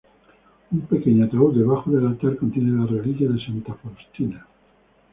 Un pequeño ataúd debajo del altar contiene las reliquias de Santa Faustina.